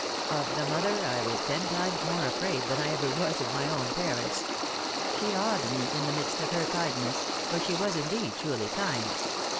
Of the mother I was ten times more afraid than I ever was of my own parents; she awed me in the midst of her kindness, for she was indeed truly kind.